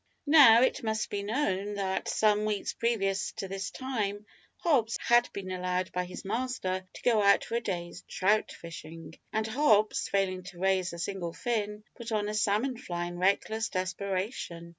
Now it must be known, that, some weeks previous to this time, Hobbs had been allowed by his master to go out for a day's trout fishing, and Hobbs, failing to raise a single fin, put on a salmon fly in reckless desperation.